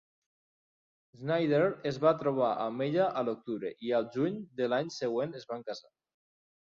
Snider es va trobar amb ella a l'octubre i al juny de l'any següent es van casar.